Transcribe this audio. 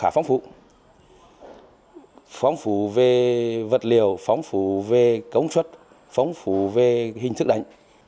phóng phủ về vật liều phóng phủ về công suất phóng phủ về hình thức đánh